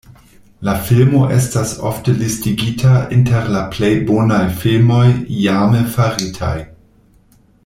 La filmo estas ofte listigita inter la plej bonaj filmoj iame faritaj.